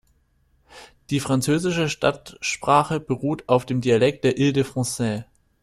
Die französische Standardsprache beruht auf dem Dialekt der Île-de-France.